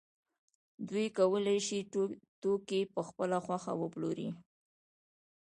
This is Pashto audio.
دوی کولای شو توکي په خپله خوښه وپلوري